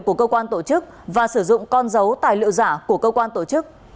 của cơ quan tổ chức và sử dụng con dấu tài liệu giả của cơ quan tổ chức